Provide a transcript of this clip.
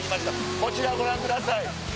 こちらご覧ください。